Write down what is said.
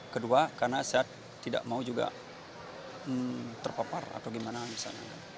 kedua karena saya tidak mau juga terpapar atau bagaimana